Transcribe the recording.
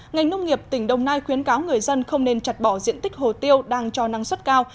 ngành nông nghiệp tỉnh đồng nai khuyến cáo người dân không nên chặt bỏ diện tích hồ tiêu đang cho năng suất cao